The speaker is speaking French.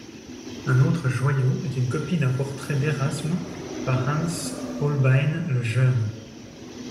Un autre joyau est une copie d'un portrait d'Érasme par Hans Holbein le Jeune.